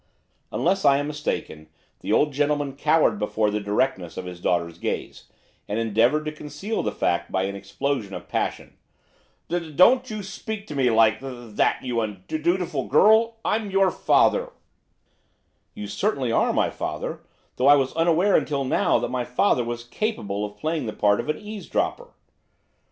Unless I am mistaken the old gentleman cowered before the directness of his daughter's gaze, and endeavoured to conceal the fact by an explosion of passion. 'Do don't you s speak to me li like that, you un undutiful girl! I I'm your father!' 'You certainly are my father; though I was unaware until now that my father was capable of playing the part of eavesdropper.